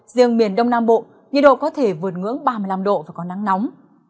riêng miền đông nam bộ nhiệt độ có thể vượt ngưỡng ba mươi năm độ và có nắng nóng